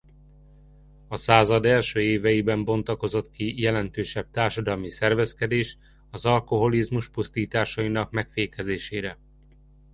A század első éveiben bontakozott ki jelentősebb társadalmi szervezkedés az alkoholizmus pusztításainak megfékezésére.